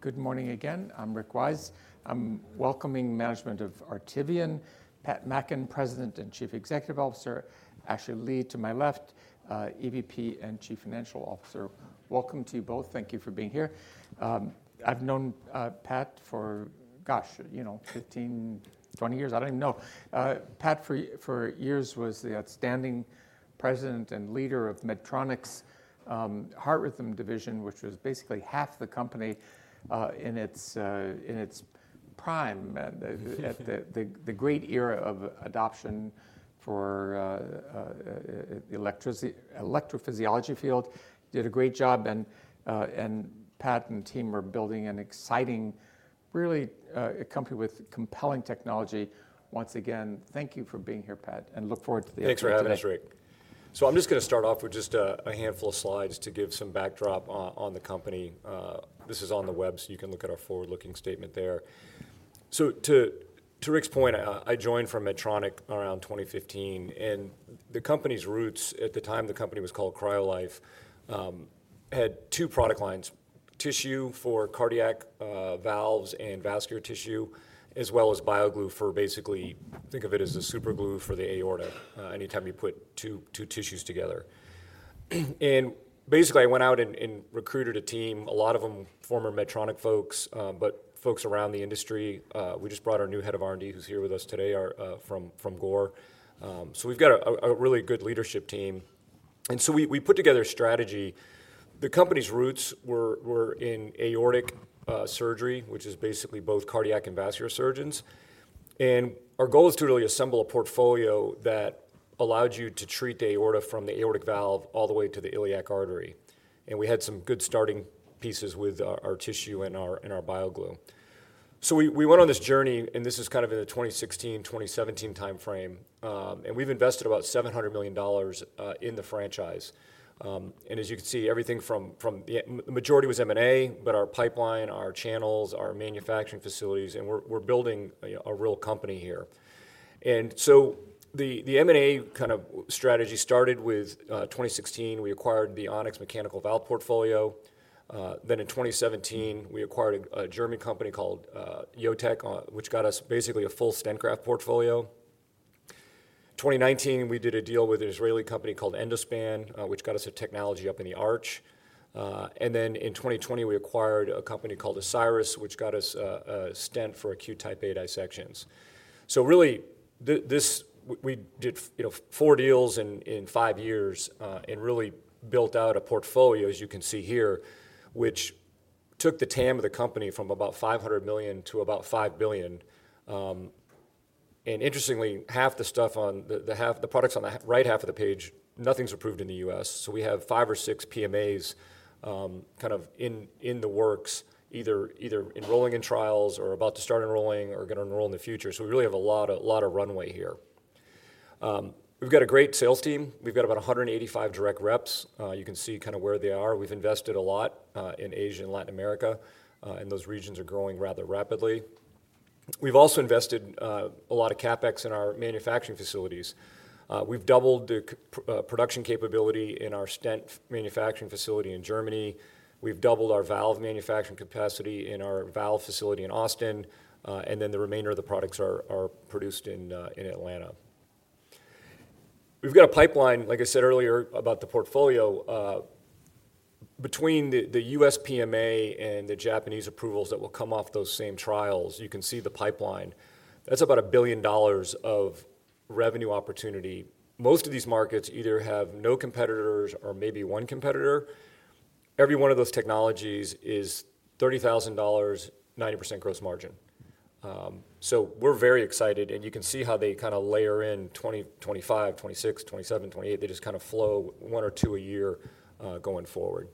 Good morning again. I'm Rick Wise. I'm welcoming management of Artivion, Pat Mackin, President and Chief Executive Officer, Ashley Lee, to my left, EVP and Chief Financial Officer. Welcome to you both. Thank you for being here. I've known Pat for, gosh, you know, 15-20 years. I don't even know. Pat, for years was the outstanding president and leader of Medtronic's Heart Rhythm Division, which was basically half the company in its prime, at the great era of adoption for the electrophysiology field. Did a great job, and Pat and team are building an exciting, really, a company with compelling technology. Once again, thank you for being here, Pat, and look forward to the update today. Thanks for having us, Rick. So I'm just gonna start off with just a handful of slides to give some backdrop on the company. This is on the web, so you can look at our forward-looking statement there. So to Rick's point, I joined from Medtronic around 2015, and the company's roots, at the time the company was called CryoLife, had two product lines: tissue for cardiac valves and vascular tissue, as well as BioGlue for basically, think of it as the superglue for the aorta, anytime you put two tissues together. And basically, I went out and recruited a team, a lot of them former Medtronic folks, but folks around the industry. We just brought our new Head of R&D, who's here with us today, are from Gore. So we've got a really good leadership team. We put together a strategy. The company's roots were in aortic surgery, which is basically both cardiac and vascular surgeons. Our goal was to really assemble a portfolio that allowed you to treat the aorta from the aortic valve all the way to the iliac artery. We had some good starting pieces with our tissue and our BioGlue. We went on this journey, and this is kind of in the 2016, 2017 timeframe, and we've invested about $700 million in the franchise. As you can see, everything from the majority was M&A, but our pipeline, our channels, our manufacturing facilities, and we're building a real company here. And so the M&A kind of strategy started with 2016. We acquired the On-X mechanical valve portfolio. Then in 2017, we acquired a German company called JOTEC, which got us basically a full stent graft portfolio. 2019, we did a deal with an Israeli company called Endospan, which got us a technology up in the arch. And then in 2020, we acquired a company called Ascyrus, which got us a stent for acute Type A dissections. So really, this, we did you know, four deals in five years, and really built out a portfolio, as you can see here, which took the TAM of the company from about $500 million to about $5 billion. Interestingly, half the stuff on the right half of the page, nothing's approved in the U.S., so we have five or six PMAs kind of in the works, either enrolling in trials or about to start enrolling or are gonna enroll in the future. So we really have a lot of runway here. We've got a great sales team. We've got about 185 direct reps. You can see kind of where they are. We've invested a lot in Asia and Latin America, and those regions are growing rather rapidly. We've also invested a lot of CapEx in our manufacturing facilities. We've doubled the production capability in our stent manufacturing facility in Germany. We've doubled our valve manufacturing capacity in our valve facility in Austin, and then the remainder of the products are, are produced in, in Atlanta. We've got a pipeline, like I said earlier, about the portfolio. Between the, the U.S. PMA and the Japanese approvals that will come off those same trials, you can see the pipeline. That's about $1 billion of revenue opportunity. Most of these markets either have no competitors or maybe one competitor. Every one of those technologies is $30,000, 90% gross margin. So we're very excited, and you can see how they kind of layer in 2025, 2026, 2027, 2028. They just kind of flow one or two a year, going forward.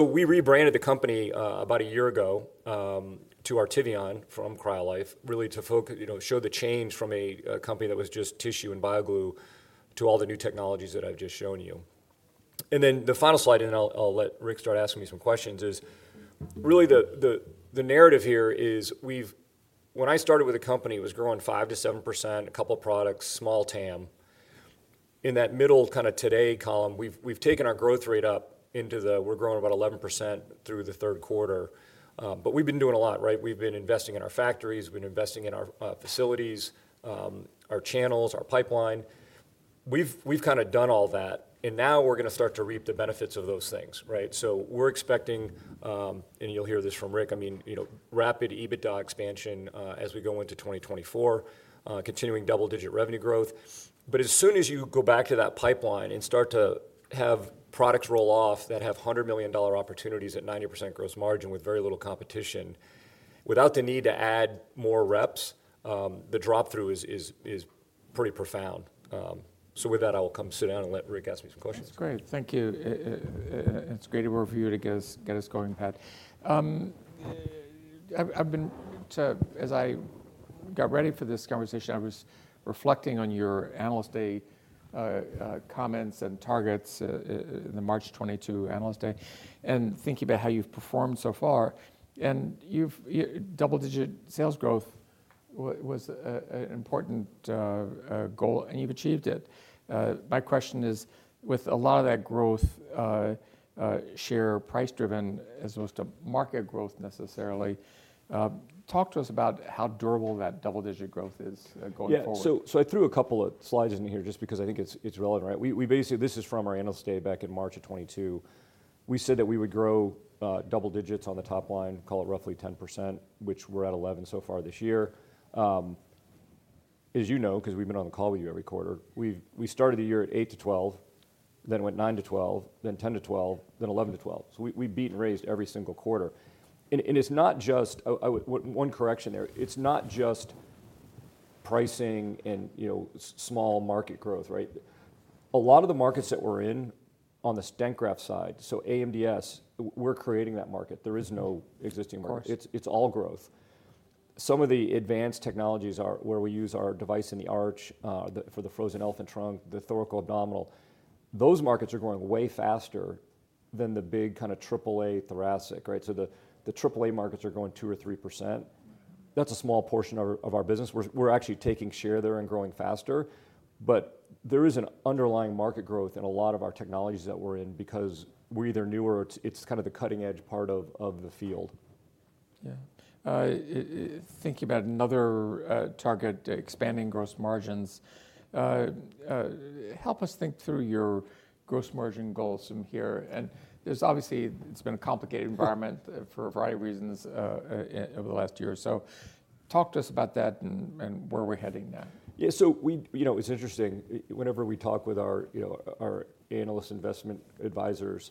We rebranded the company about a year ago to Artivion from CryoLife, really to focus, you know, show the change from a company that was just tissue and BioGlue to all the new technologies that I've just shown you. Then the final slide, and then I'll let Rick start asking me some questions, is really the narrative here is we've... When I started with the company, it was growing 5%-7%, a couple of products, small TAM. In that middle kind of today column, we've taken our growth rate up into the, we're growing about 11% through the third quarter. But we've been doing a lot, right? We've been investing in our factories, we've been investing in our facilities, our channels, our pipeline. We've kind of done all that, and now we're gonna start to reap the benefits of those things, right? So we're expecting, and you'll hear this from Rick, I mean, you know, rapid EBITDA expansion, as we go into 2024, continuing double-digit revenue growth. But as soon as you go back to that pipeline and start to have products roll off that have $100 million opportunities at 90% gross margin with very little competition, without the need to add more reps, the drop-through is pretty profound. So with that, I will come sit down and let Rick ask me some questions. That's great. Thank you. It's great overview to get us, get us going, Pat. I've been to... As I got ready for this conversation, I was reflecting on your Analyst Day comments and targets in the March 2022 Analyst Day, and thinking about how you've performed so far, and you've double-digit sales growth was an important goal, and you've achieved it. My question is, with a lot of that growth share price-driven as opposed to market growth necessarily, talk to us about how durable that double-digit growth is going forward. Yeah, I threw a couple of slides in here just because I think it's relevant, right? We basically—this is from our Analyst Day back in March 2022. We said that we would grow double digits on the top line, call it roughly 10%, which we're at 11% so far this year. As you know, 'cause we've been on the call with you every quarter, we started the year at 8%-12%, then went 9%-12%, then 10%-12%, then 11%-12%. So we beat and raised every single quarter. One correction there, it's not just pricing and, you know, small market growth, right? A lot of the markets that we're in on the stent graft side, so AMDS, we're creating that market. There is no existing market. Of course. It's, it's all growth. Some of the advanced technologies are where we use our device in the arch, the, for the frozen elephant trunk, the thoracoabdominal, those markets are growing way faster than the big kind of AAA thoracic, right? So the, the AAA markets are growing 2% or 3%. That's a small portion of our, of our business. We're, we're actually taking share there and growing faster, but there is an underlying market growth in a lot of our technologies that we're in because we're either new or it's, it's kind of the cutting-edge part of, of the field. Yeah. I'm thinking about another target, expanding gross margins. Help us think through your gross margin goals from here, and there's obviously, it's been a complicated environment for a variety of reasons over the last year. So talk to us about that and where we're heading now. Yeah. So you know, it's interesting, whenever we talk with our, you know, our analyst investment advisors,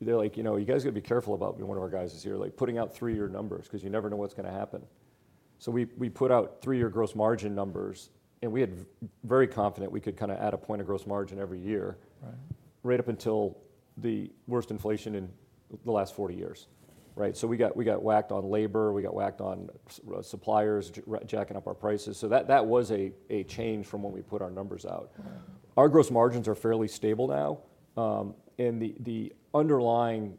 they're like: You know, you guys have got to be careful about - one of our guys is here - like, putting out three-year numbers, 'cause you never know what's gonna happen. So we, we put out three-year gross margin numbers, and we had very confident we could kind of add a point of gross margin every year. Right Right up until the worst inflation in the last 40 years, right? So we got, we got whacked on labor, we got whacked on suppliers jacking up our prices. So that was a change from when we put our numbers out. Mm-hmm. Our gross margins are fairly stable now. And the underlying,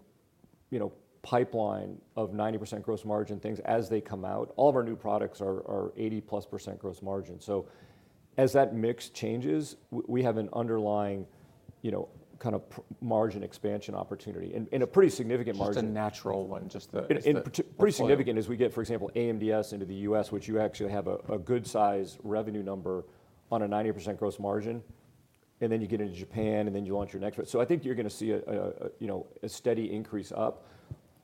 you know, pipeline of 90% gross margin things as they come out, all of our new products are 80%+ gross margin. So as that mix changes, we have an underlying, you know, kind of margin expansion opportunity and a pretty significant margin. Just a natural one. Pretty significant as we get, for example, AMDS into the U.S., which you actually have a good-size revenue number on a 90% gross margin, and then you get into Japan, and then you launch your next product. So I think you're gonna see, you know, a steady increase up.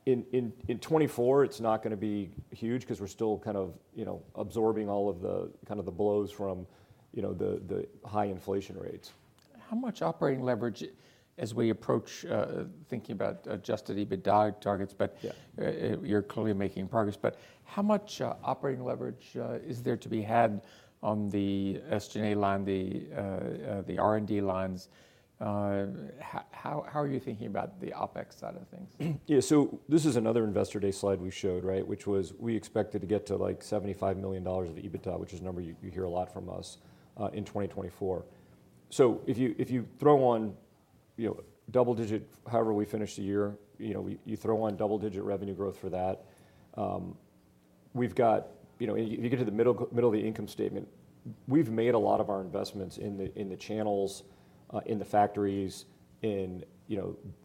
In 2024, it's not gonna be huge 'cause we're still kind of, you know, absorbing all of the kind of the blows from, you know, the high inflation rates. How much operating leverage, as we approach, thinking about adjusted EBITDA targets, but- Yeah... you're clearly making progress, but how much operating leverage is there to be had on the SG&A line, the R&D lines? How are you thinking about the OpEx side of things? Yeah. So this is another Investor Day slide we showed, right? Which was, we expected to get to, like, $75 million of EBITDA, which is a number you hear a lot from us in 2024. So if you throw on, you know, double-digit, however we finish the year, you know, you throw on double-digit revenue growth for that, we've got... You know, and if you get to the middle of the income statement, we've made a lot of our investments in the channels, in the factories, in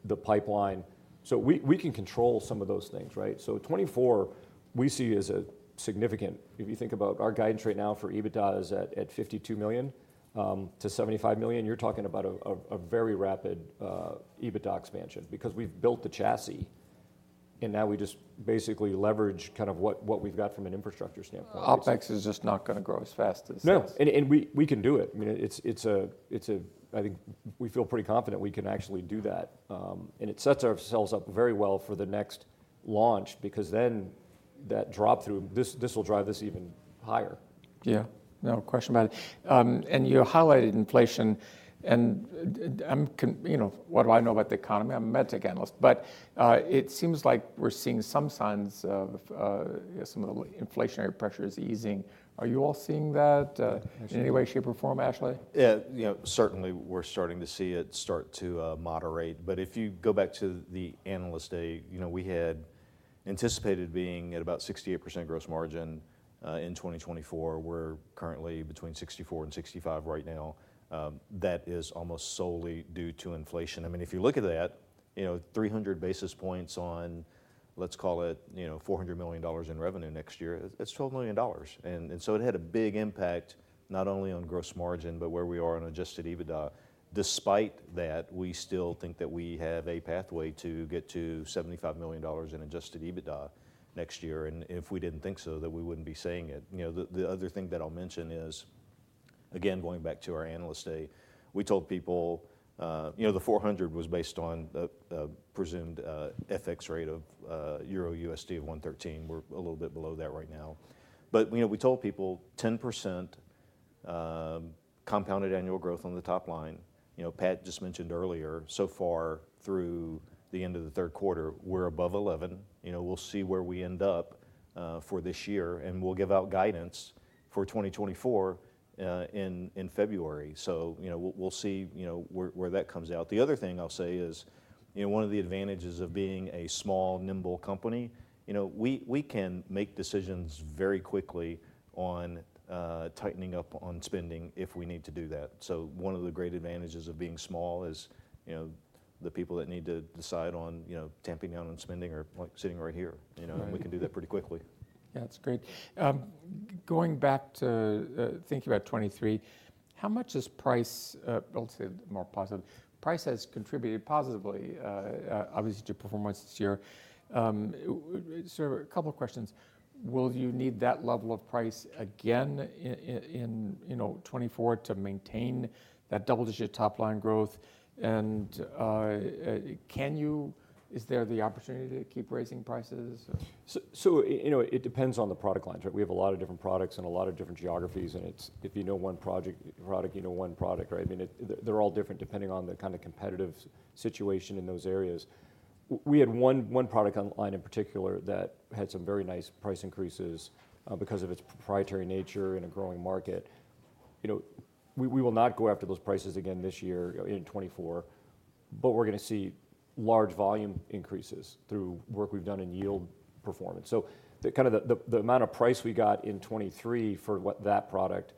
the pipeline. So we can control some of those things, right? So 2024, we see as a significant. If you think about our guidance right now for EBITDA is at $52 million-$75 million, you're talking about a very rapid EBITDA expansion because we've built the chassis, and now we just basically leverage kind of what we've got from an infrastructure standpoint. OpEx is just not gonna grow as fast as this. No, we can do it. I mean, it's a- I think we feel pretty confident we can actually do that. And it sets ourselves up very well for the next launch because then, that drop-through, this will drive this even higher. Yeah. No question about it. And you highlighted inflation, and you know, what do I know about the economy? I'm a med tech analyst. But, it seems like we're seeing some signs of some of the inflationary pressures easing. Are you all seeing that? I think- In any way, shape, or form, Ashley? Yeah, you know, certainly we're starting to see it start to moderate. But if you go back to the Analyst Day, you know, we had anticipated being at about 68% gross margin in 2024. We're currently between 64 and 65 right now. That is almost solely due to inflation. I mean, if you look at that, you know, 300 basis points on, let's call it, you know, $400 million in revenue next year, it's $12 million. And so it had a big impact, not only on gross margin, but where we are on adjusted EBITDA. Despite that, we still think that we have a pathway to get to $75 million in adjusted EBITDA next year, and if we didn't think so, then we wouldn't be saying it. You know, the other thing that I'll mention is, again, going back to our Analyst Day, we told people, you know, the 400 was based on a presumed FX rate of EUR/USD 1.13. We're a little bit below that right now. But, you know, we told people 10% compounded annual growth on the top line. You know, Pat just mentioned earlier, so far through the end of the third quarter, we're above 11%. You know, we'll see where we end up. For this year, and we'll give out guidance for 2024, in February. So, you know, we'll see, you know, where that comes out. The other thing I'll say is, you know, one of the advantages of being a small, nimble company, you know, we can make decisions very quickly on tightening up on spending if we need to do that. So one of the great advantages of being small is, you know, the people that need to decide on, you know, tamping down on spending are, like, sitting right here. Right. You know, and we can do that pretty quickly. Yeah, that's great. Going back to thinking about 2023, how much is price? Well, let's say it more positive. Price has contributed positively, obviously to performance this year. So a couple of questions: Will you need that level of price again in, you know, 2024 to maintain that double-digit top line growth? And is there the opportunity to keep raising prices? So, you know, it depends on the product line, right? We have a lot of different products and a lot of different geographies, and it's. If you know one product, you know one product, right? I mean, they're all different depending on the kind of competitive situation in those areas. We had one product line in particular that had some very nice price increases because of its proprietary nature in a growing market. You know, we will not go after those prices again this year, in 2024, but we're gonna see large volume increases through work we've done in yield performance. So the kind of the amount of price we got in 2023 for what that product,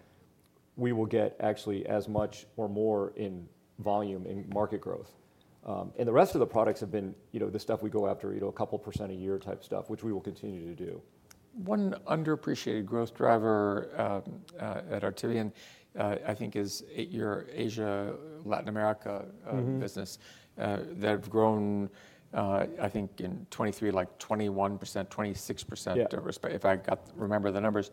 we will get actually as much or more in volume in market growth. The rest of the products have been, you know, the stuff we go after, you know, a couple percent a year type stuff, which we will continue to do. One underappreciated growth driver at Artivion, I think is your Asia, Latin America, Mm-hmm... business. They've grown, I think in 2023, like 21%-26%- Yeah... if I remember the numbers.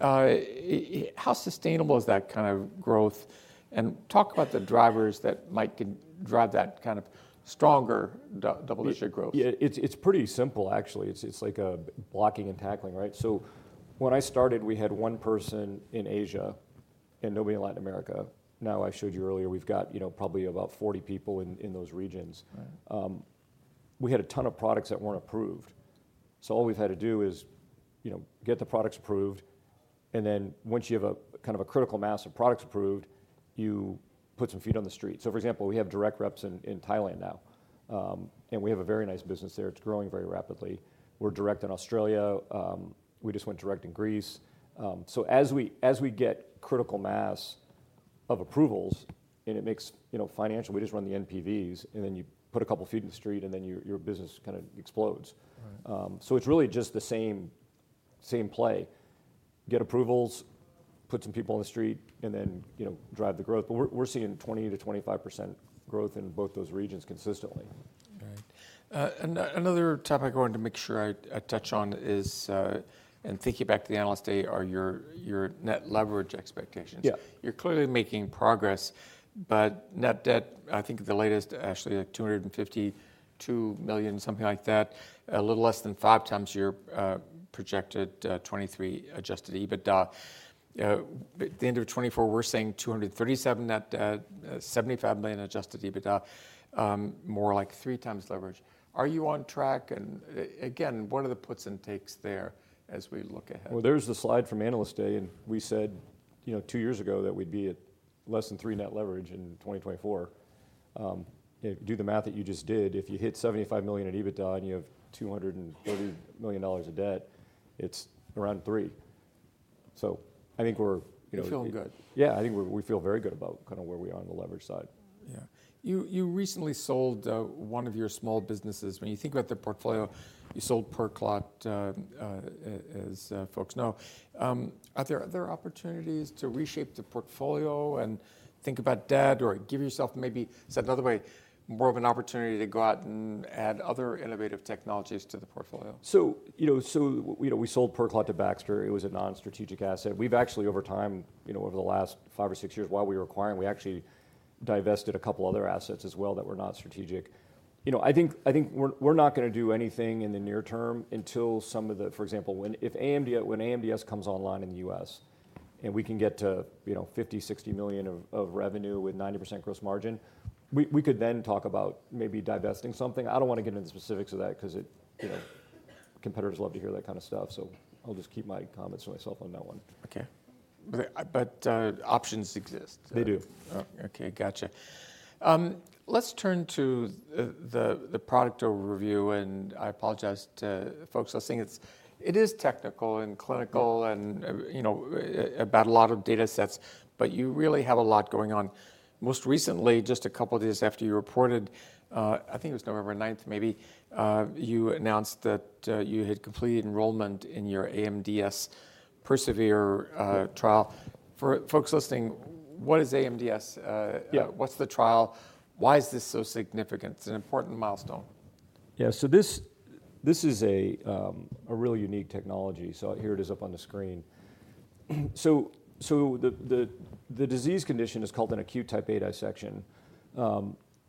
How sustainable is that kind of growth? And talk about the drivers that might drive that kind of stronger double-digit growth. Yeah, it's pretty simple, actually. It's like blocking and tackling, right? So when I started, we had one person in Asia and nobody in Latin America. Now, I showed you earlier, we've got, you know, probably about 40 people in those regions. Right. We had a ton of products that weren't approved. So all we've had to do is, you know, get the products approved, and then once you have kind of a critical mass of products approved, you put some feet on the street. So, for example, we have direct reps in Thailand now, and we have a very nice business there. It's growing very rapidly. We're direct in Australia. We just went direct in Greece. So as we get critical mass of approvals, and it makes, you know, financial, we just run the NPVs, and then you put a couple feet on the street, and then your business kind of explodes. Right. So it's really just the same, same play. Get approvals, put some people on the street, and then, you know, drive the growth. But we're seeing 20%-25% growth in both those regions consistently. Right. Another topic I wanted to make sure I touch on is, and thinking back to the Analyst Day, are your net leverage expectations? Yeah. You're clearly making progress, but net debt, I think, the latest, actually, like $252 million, something like that, a little less than 5x your projected 2023 adjusted EBITDA. At the end of 2024, we're saying $237 million net debt, $75 million adjusted EBITDA, more like 3x leverage. Are you on track? And again, what are the puts and takes there as we look ahead? Well, there's the slide from Analyst Day, and we said, you know, two years ago that we'd be at less than 3 net leverage in 2024. Do the math that you just did. If you hit $75 million in EBITDA, and you have $230 million of debt, it's around three. So I think we're, you know- You feel good? Yeah, I think we, we feel very good about kind of where we are on the leverage side. Yeah. You recently sold one of your small businesses. When you think about the portfolio, you sold PerClot, as folks know. Are there other opportunities to reshape the portfolio and think about debt, or give yourself maybe, said another way, more of an opportunity to go out and add other innovative technologies to the portfolio? So, you know, so, you know, we sold PerClot to Baxter. It was a non-strategic asset. We've actually, over time, you know, over the last five or six years, while we were acquiring, we actually divested a couple other assets as well that were not strategic. You know, I think, I think we're, we're not gonna do anything in the near term until some of the... For example, when if AMDS- when AMDS comes online in the U.S., and we can get to, you know, $50 million-$60 million of, of revenue with 90% gross margin, we, we could then talk about maybe divesting something. I don't want to get into the specifics of that because it, you know, competitors love to hear that kind of stuff. So I'll just keep my comments to myself on that one. Okay. But, options exist? They do. Oh, okay, gotcha. Let's turn to the product overview, and I apologize to folks listening. It is technical and clinical and about a lot of datasets, but you really have a lot going on. Most recently, just a couple of days after you reported, I think it was November ninth, you announced that you had completed enrollment in your AMDS PERSEVERE trial. For folks listening, what is AMDS? Yeah. What's the trial? Why is this so significant? It's an important milestone. Yeah, so this, this is a really unique technology. So here it is up on the screen. So the disease condition is called an acute type A dissection.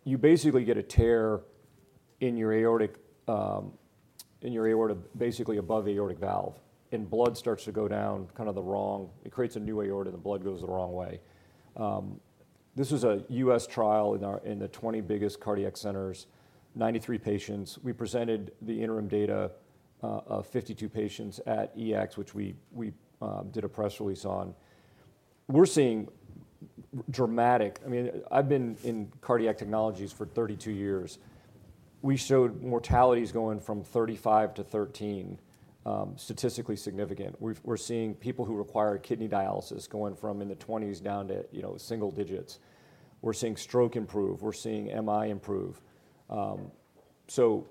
You basically get a tear in your aortic, in your aorta, basically above the aortic valve, and blood starts to go down kind of the wrong way. It creates a new aorta, and the blood goes the wrong way. This was a U.S. trial in the 20 biggest cardiac centers, 93 patients. We presented the interim data of 52 patients at EACTS, which we did a press release on. We're seeing dramatic. I mean, I've been in cardiac technologies for 32 years. We showed mortalities going from 35 to 13, statistically significant. We're seeing people who require kidney dialysis going from in the 20s down to, you know, single digits. We're seeing stroke improve, we're seeing MI improve. So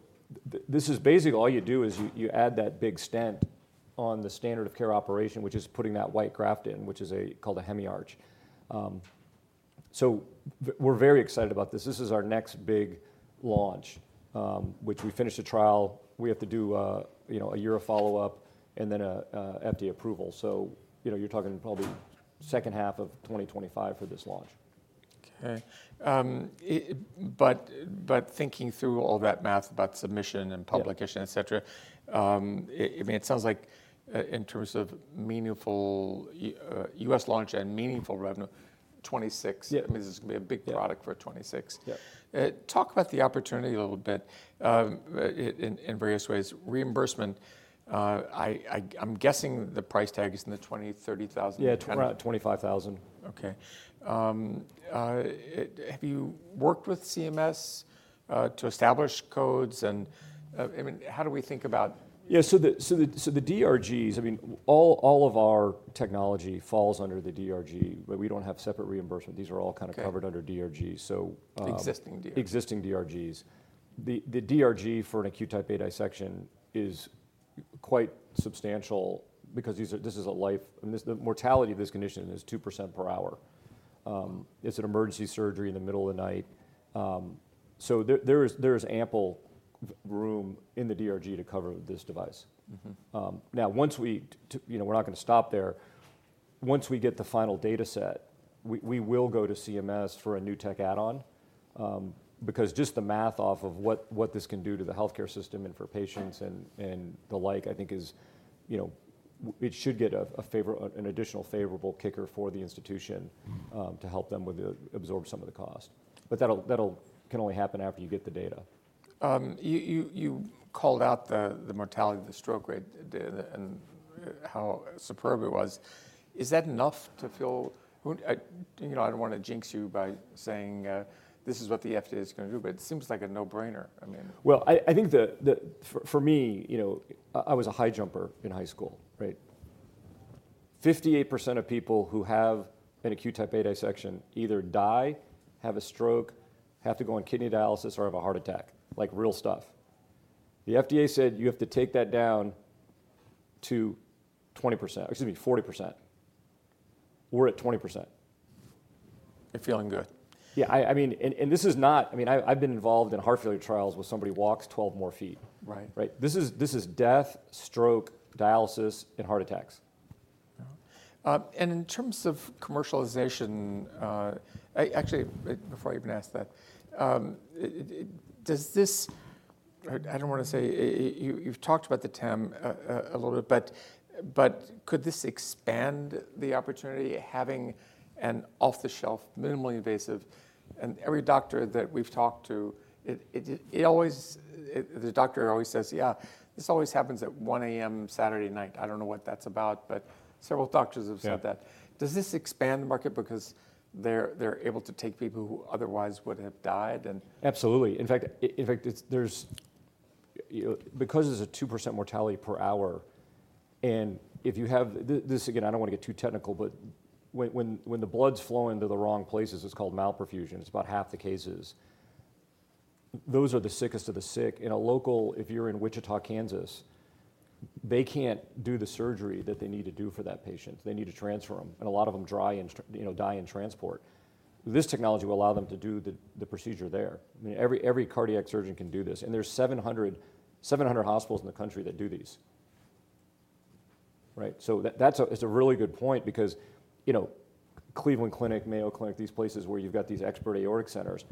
this is basically all you do is you add that big stent on the standard of care operation, which is putting that white graft in, which is called a hemiarch. So we're very excited about this. This is our next big launch, which we finished a trial. We have to do a year of follow-up and then a FDA approval. So, you know, you're talking probably second half of 2025 for this launch. Okay. But thinking through all that math about submission and publication- Yeah... et cetera, I mean, it sounds like in terms of meaningful U.S. launch and meaningful revenue, 2026. Yeah. I mean, this is gonna be a big product for 2026. Yeah. Talk about the opportunity a little bit, in various ways. Reimbursement, I'm guessing the price tag is in the $20,000-$30,000- Yeah, around $25,000. Okay. Have you worked with CMS to establish codes? And, I mean, how do we think about- Yeah, so the DRGs... I mean, all of our technology falls under the DRG, but we don't have separate reimbursement. These are all kind of- Okay... covered under DRG. So, Existing DRG. Existing DRGs. The DRG for an acute Type A dissection is quite substantial because I mean, the mortality of this condition is 2% per hour. It's an emergency surgery in the middle of the night. So there is ample room in the DRG to cover this device. Mm-hmm. Now, once we you know, we're not gonna stop there. Once we get the final dataset, we will go to CMS for a new tech add-on, because just the math off of what this can do to the healthcare system and for patients and the like, I think, is, you know, it should get an additional favorable kicker for the institution, to help them absorb some of the cost. But that'll can only happen after you get the data. You called out the mortality of the stroke rate and how superb it was. Is that enough to feel... you know, I don't wanna jinx you by saying this is what the FDA is gonna do, but it seems like a no-brainer. I mean- Well, I think... For me, you know, I was a high jumper in high school, right? 58% of people who have an acute Type A dissection either die, have a stroke, have to go on kidney dialysis, or have a heart attack, like, real stuff. The FDA said you have to take that down to 20%—excuse me, 40%. We're at 20%. You're feeling good? Yeah, I mean, this is not—I mean, I've been involved in heart failure trials where somebody walks 12 more feet. Right. Right. This is, this is death, stroke, dialysis, and heart attacks. In terms of commercialization, actually, before I even ask that, does this—I don't wanna say—you've talked about the TAM a little bit, but could this expand the opportunity, having an off-the-shelf, minimally invasive... And every doctor that we've talked to, it always, the doctor always says: "Yeah, this always happens at 1:00 A.M., Saturday night." I don't know what that's about, but several doctors have said that. Yeah. Does this expand the market because they're able to take people who otherwise would have died and? Absolutely. In fact, there's, you know... Because there's a 2% mortality per hour, and if you have... This, again, I don't wanna get too technical, but when the blood's flowing to the wrong places, it's called malperfusion. It's about half the cases. Those are the sickest of the sick. In a local, if you're in Wichita, Kansas, they can't do the surgery that they need to do for that patient. They need to transfer them, and a lot of them die in transport, you know. This technology will allow them to do the procedure there. I mean, every cardiac surgeon can do this, and there's 700 hospitals in the country that do these. Right. So that, that's it's a really good point because, you know, Cleveland Clinic, Mayo Clinic, these places where you've got these expert aortic centers,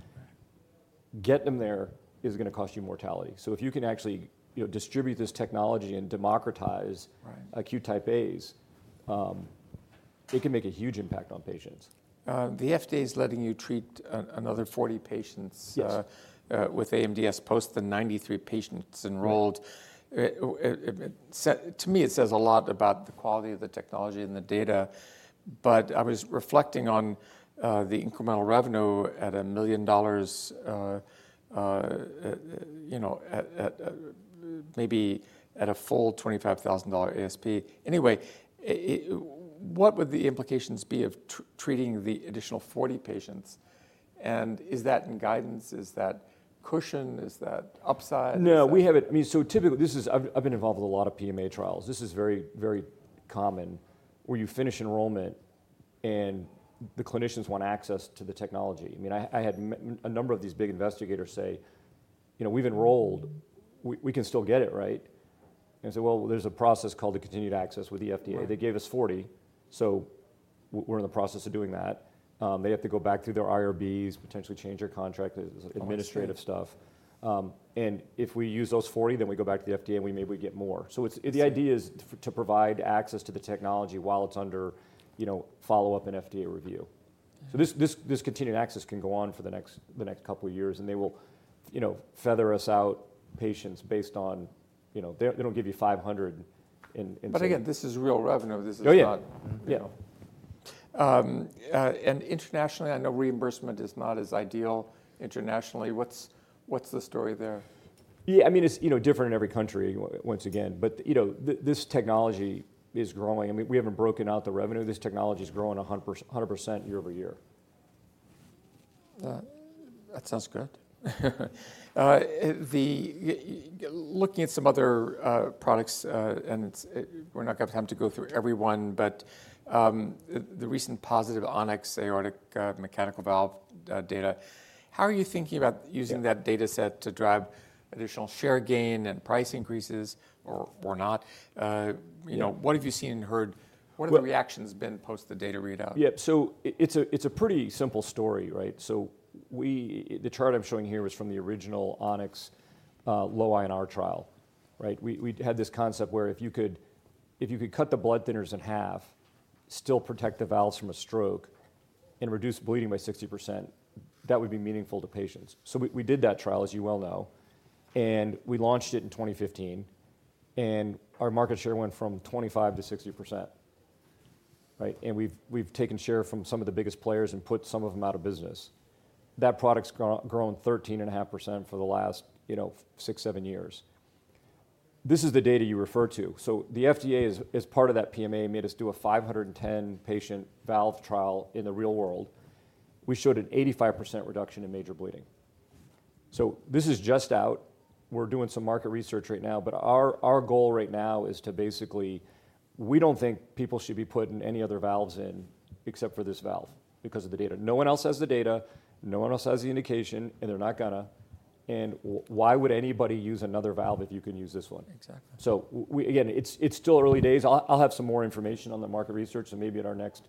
getting them there is gonna cost you mortality. So if you can actually, you know, distribute this technology and democratize- Right... acute Type A’s, it can make a huge impact on patients. The FDA is letting you treat another 40 patients. Yes... with AMDS, post the 93 patients enrolled. Yeah. It seems to me, it says a lot about the quality of the technology and the data, but I was reflecting on the incremental revenue at $1 million, you know, at, at, maybe at a full $25,000 ASP. Anyway, what would the implications be of treating the additional 40 patients, and is that in guidance? Is that cushion? Is that upside? No, we have it, I mean, so typically, this is... I've been involved with a lot of PMA trials. This is very, very common, where you finish enrollment, and the clinicians want access to the technology. I mean, I had a number of these big investigators say: "You know, we've enrolled. We can still get it, right?" And so, well, there's a process called the continued access with the FDA. Right. They gave us 40, so we're in the process of doing that. They have to go back through their IRBs, potentially change their contract- Mm-hmm... administrative stuff. And if we use those 40, then we go back to the FDA, and maybe we get more. So it's- Yes... the idea is to provide access to the technology while it's under, you know, follow-up and FDA review. So this continued access can go on for the next couple of years, and they will, you know, feather us out patients based on, you know, they don't give you 500 in, in- But again, this is real revenue. Oh, yeah. This is not- Yeah. Internationally, I know reimbursement is not as ideal internationally. What's the story there? Yeah, I mean, it's, you know, different in every country once again. But, you know, this technology is growing. I mean, we haven't broken out the revenue. This technology is growing 100%, 100% year-over-year. That sounds good. Looking at some other products, and we're not gonna have time to go through every one, but the recent positive On-X aortic mechanical valve data, how are you thinking about using- Yeah... that data set to drive additional share gain and price increases or not? You know- Yeah... what have you seen and heard? Well- What are the reactions been post the data readout? Yeah. So it's a pretty simple story, right? So we, The chart I'm showing here is from the original On-X, Low INR trial, right? We, we had this concept where if you could, if you could cut the blood thinners in half, still protect the valves from a stroke, and reduce bleeding by 60%, that would be meaningful to patients. So we, we did that trial, as you well know, and we launched it in 2015, and our market share went from 25% to 60%, right? And we've, we've taken share from some of the biggest players and put some of them out of business. That product's grown, grown 13.5% for the last, you know, six, seven years. This is the data you refer to. So the FDA, as part of that PMA, made us do a 510-patient valve trial in the real world. We showed an 85% reduction in major bleeding. So this is just out. We're doing some market research right now, but our goal right now is to basically... We don't think people should be putting any other valves in except for this valve, because of the data. No one else has the data, no one else has the indication, and they're not gonna. Why would anybody use another valve if you can use this one? Exactly. So we again, it's still early days. I'll have some more information on the market research, and maybe in our next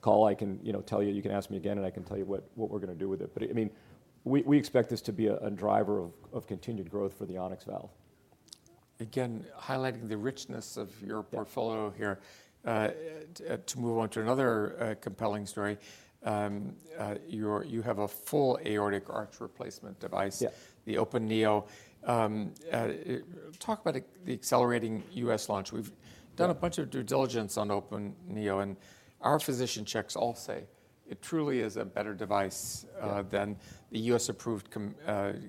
call, I can, you know, tell you. You can ask me again, and I can tell you what we're gonna do with it. But, I mean, we expect this to be a driver of continued growth for the On-X valve. Again, highlighting the richness of your- Yeah... portfolio here. To move on to another compelling story. Your-- you have a full aortic arch replacement device. Yeah. The E-vita Open NEO. Talk about the, the accelerating U.S. launch. Yeah. We've done a bunch of due diligence on E-vita Open NEO, and our physician checks all say it truly is a better device- Yeah... than the U.S.-approved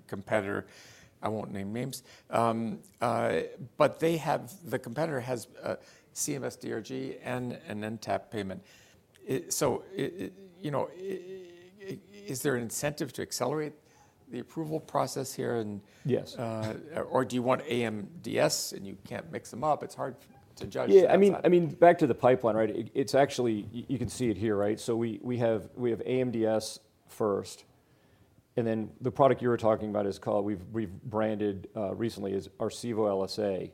competitor. I won't name names. But they have... The competitor has CMS DRG and an NTAP payment. You know, is there an incentive to accelerate the approval process here and- Yes... or do you want AMDS, and you can't mix them up? It's hard to judge that. Yeah, I mean, back to the pipeline, right? It's actually, you can see it here, right? So we have AMDS first, and then the product you were talking about is called, we've branded recently as Arcevo LSA.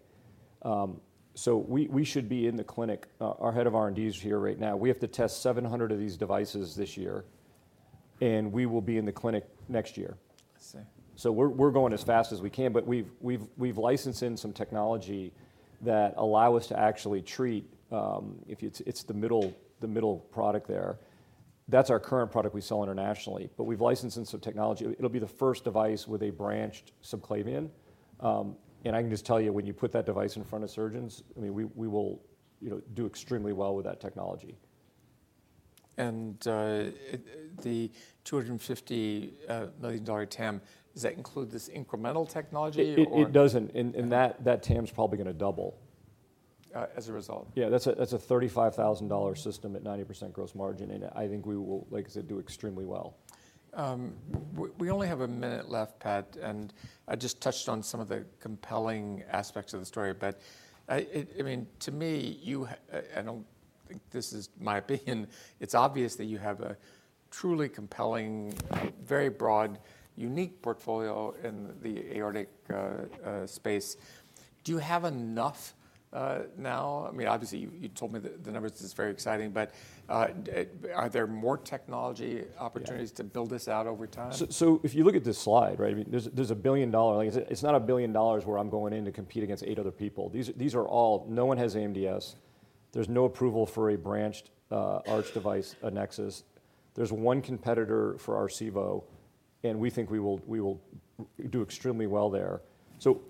So we should be in the clinic. Our head of R&D is here right now. We have to test 700 of these devices this year, and we will be in the clinic next year. I see. So we're going as fast as we can, but we've licensed in some technology that allow us to actually treat if it's the middle product there. That's our current product we sell internationally, but we've licensed in some technology. It'll be the first device with a branched subclavian. And I can just tell you, when you put that device in front of surgeons, I mean, we will, you know, do extremely well with that technology. The $250 million TAM, does that include this incremental technology, or? It doesn't. Yeah. And that TAM's probably gonna double. As a result? Yeah. That's a, that's a $35,000 system at 90% gross margin, and I think we will, like I said, do extremely well. We only have a minute left, Pat, and I just touched on some of the compelling aspects of the story, but I mean, to me, I know this is my opinion, it's obvious that you have a truly compelling, very broad, unique portfolio in the aortic space. Do you have enough now? I mean, obviously, you told me the numbers is very exciting, but are there more technology opportunities- Yeah... to build this out over time? So if you look at this slide, right, I mean, there's $1 billion... Like I said, it's not a billion dollars where I'm going in to compete against eight other people. These are all... No one has AMDS. There's no approval for a branched arch device, NEXUS. There's one competitor for Arcevo, and we think we will do extremely well there. So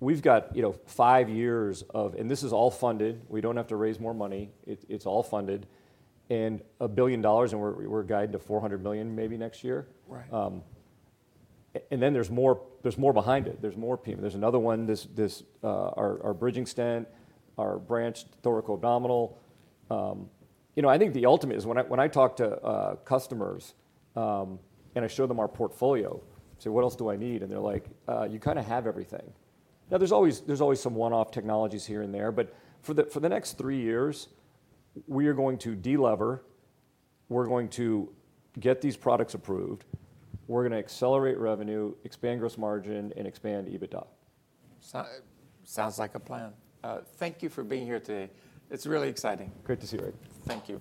we've got, you know, five years of... And this is all funded. We don't have to raise more money. It's all funded, and $1 billion, and we're guiding to $400 million maybe next year. Right. And then there's more, there's more behind it. There's more people. There's another one, our bridging stent, our branched thoracoabdominal. You know, I think the ultimate is when I talk to customers, and I show them our portfolio, say: What else do I need? And they're like: You kind of have everything. Now, there's always some one-off technologies here and there, but for the next three years, we are going to delever, we're going to get these products approved, we're gonna accelerate revenue, expand gross margin, and expand EBITDA. Sounds like a plan. Thank you for being here today. It's really exciting. Great to see you, Rick. Thank you.